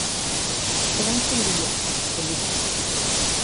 Erantzun bila, pelikula.